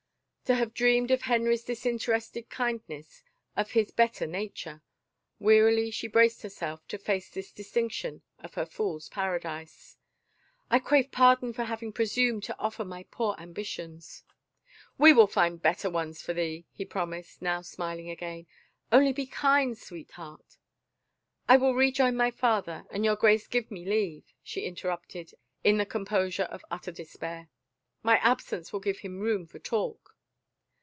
To have dreamed of Henry's disinterested kindness — of his bet ter nature ! Wearily she braced herself to face this destruction of her fool's paradise. " I crave pardon for having presumed to offer my poor ambitions." " We will find better ones for thee," he promised, now smiling again, " only be kind. Sweetheart —"" I will rejoin my father, an your Grace give me leave," she interrupted in the composure of utter despair. " My absence will give room for talk."